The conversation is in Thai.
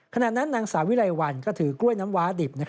ขณะนั้นนางสาวิไลวันก็ถือกล้วยน้ำว้าดิบ